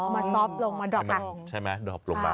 อ๋อมาซอฟต์ลงมาดร็อปค่ะใช่ไหมดร็อปลงมา